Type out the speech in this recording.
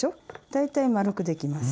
大体丸くできます。